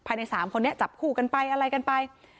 เพราะไม่เคยถามลูกสาวนะว่าไปทำธุรกิจแบบไหนอะไรยังไง